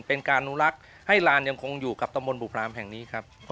เป็นการอนุรักษ์ให้ลานยังคงอยู่กับตำบลบุพรามแห่งนี้ครับ